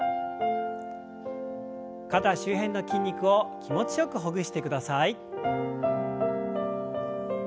肩周辺の筋肉を気持ちよくほぐしてください。